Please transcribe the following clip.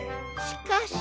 しかし？